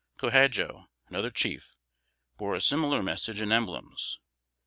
Co Hadjo, another chief, bore a similar message and emblems.